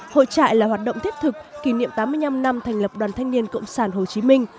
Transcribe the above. hội trại là hoạt động thiết thực kỷ niệm tám mươi năm năm thành lập đoàn thanh niên cộng sản hồ chí minh